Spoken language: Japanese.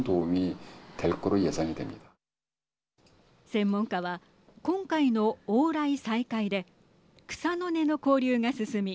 専門家は今回の往来再開で草の根の交流が進み